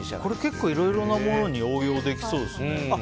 結構いろいろなものに応用できそうですね。